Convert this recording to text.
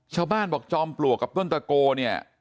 ชาวบ้านบอกจอมปลวกกับต้นตะโกเนี่ย